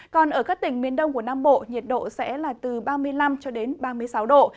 còn ở các tỉnh miền đông của nam bộ nhiệt độ sẽ là từ ba mươi năm cho đến ba mươi sáu độ